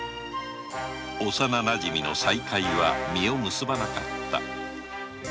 幼なじみの再会は実を結ばなかった。